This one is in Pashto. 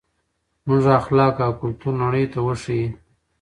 زموږ اخلاق او کلتور نړۍ ته وښایئ.